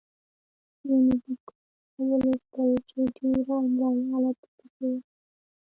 يونليکونه ولوستل چې ډېره املايي غلطي پکې وې